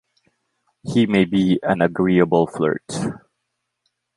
He may be an agreeable flirt.